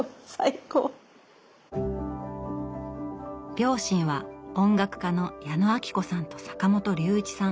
両親は音楽家の矢野顕子さんと坂本龍一さん。